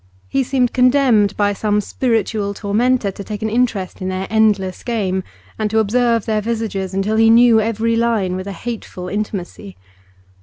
He seemed condemned by some spiritual tormentor to take an interest in their endless games, and to observe their visages until he knew every line with a hateful intimacy.